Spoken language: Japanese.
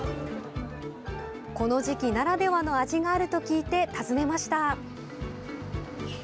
この時期ならではの味があると聞いて訪ねました。